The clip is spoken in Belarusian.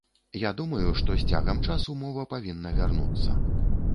Я думаю, што з цягам часу мова павінна вярнуцца.